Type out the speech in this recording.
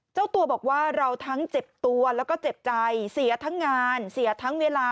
เจ้าตัวบอกว่าเราทั้งเจ็บตัวแล้วก็เจ็บใจเสียทั้งงานเสียทั้งเวลา